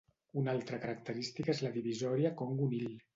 Una altra característica és la Divisòria Congo-Nil.